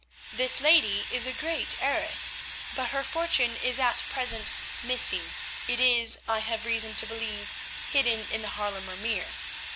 "This lady is a great heiress, but her fortune is at present missing; it is, I have reason to believe, hidden in the Haarlemer Meer.